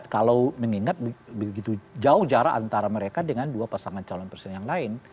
kalau mengingat begitu jauh jarak antara mereka dengan dua pasangan calon presiden yang lain